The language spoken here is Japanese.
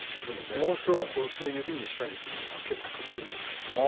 それを指にしたりするのは結構かっこよくて。